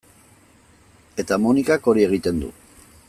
Eta Monikak hori egiten du.